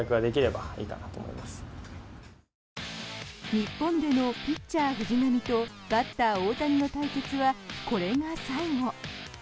日本でのピッチャー、藤浪とバッター、大谷の対決はこれが最後。